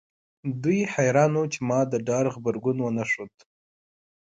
دوی حیران وو چې ما د ډار غبرګون ونه ښود